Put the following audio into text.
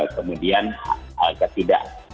kemudian agak tidak